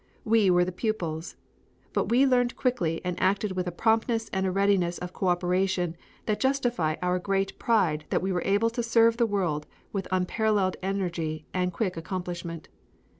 We were the pupils. But we learned quickly and acted with a promptness and a readiness of co operation that justify our great pride that we were able to serve the world with unparalleled energy and quick accomplishment.